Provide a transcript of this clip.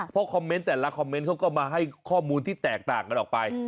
เพราะคอมเมนต์แต่ละคอมเมนต์เขาก็มาให้ข้อมูลที่แตกต่างกันออกไป